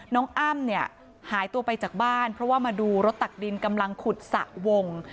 อ้ำเนี่ยหายตัวไปจากบ้านเพราะว่ามาดูรถตักดินกำลังขุดสระวง